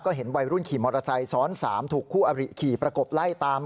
เห็นวัยรุ่นขี่มอเตอร์ไซค์ซ้อน๓ถูกคู่อริขี่ประกบไล่ตาม